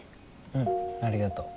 うんありがとう。